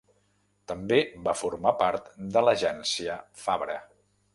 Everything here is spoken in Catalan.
També va formar part de l'Agència Fabra.